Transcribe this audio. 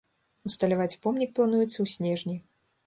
Усталяваць помнік плануецца ў снежні.